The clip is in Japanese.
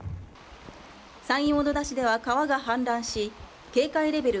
山陽小野田市では川が氾濫し、警戒レベル